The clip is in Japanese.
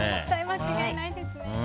間違いないですね。